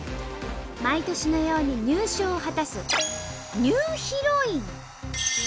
毎年のように入賞を果たすニューヒロイン。